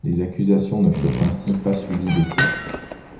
Les accusations ne furent ainsi pas suivies d’effet.